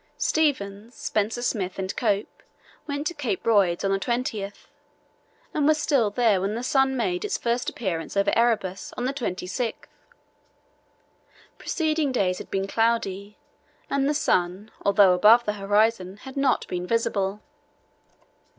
Stevens, Spencer Smith, and Cope went to Cape Royds on the 20th, and were still there when the sun made its first appearance over Erebus on the 26th. Preceding days had been cloudy, and the sun, although above the horizon, had not been visible.